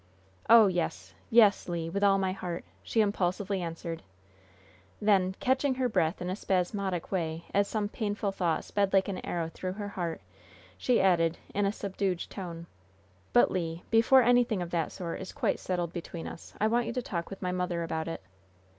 "Oh, yes! Yes, Le! With all my heart!" she impulsively answered. Then, catching her breath in a spasmodic way, as some painful thought sped like an arrow through her heart, she added, in a subdued tone: "But, Le, before anything of that sort is quite settled between us, I want you to talk with my mother about it."